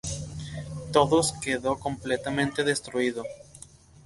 Todos quedó completamente destruido.